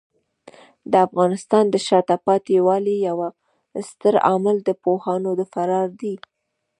د افغانستان د شاته پاتې والي یو ستر عامل د پوهانو د فرار دی.